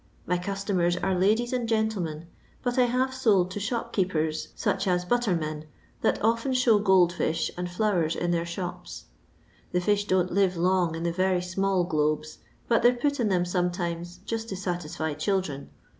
My customers are hulies and gentlemen, but I have sold to shop keepers, such as buttermen, that often show gold fish and flowers in their shops. The fish don't live long in the very small globes, but they 're put in them sometimes just to satisfy children.